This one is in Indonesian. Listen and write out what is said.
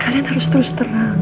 kalian harus terus terang